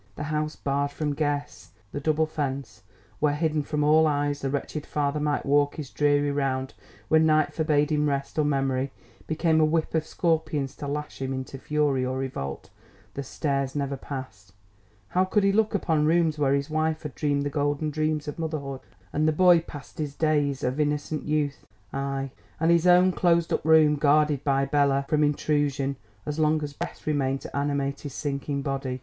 The house barred from guests the double fence where, hidden from all eyes, the wretched father might walk his dreary round when night forbade him rest or memory became a whip of scorpions to lash him into fury or revolt the stairs never passed (how could he look upon rooms where his wife had dreamed the golden dreams of motherhood and the boy passed his days of innocent youth) aye, and his own closed up room guarded by Bela from intrusion as long as breath remained to animate his sinking body!